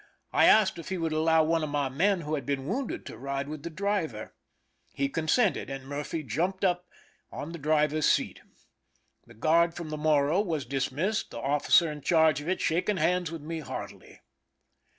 I asked if he would allow one of my men who had been wounded to ride with the driver. He con sented, and Murphy jumped up on the driver's seat. The guard from the Morro was dismissed, the officer in charge of it shaking hands with me heartily.